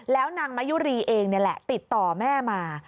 แล้วนางมายุรีเองติดต่อแม่มา